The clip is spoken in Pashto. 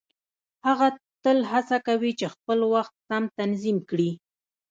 هغه تل هڅه کوي چې خپل وخت سم تنظيم کړي.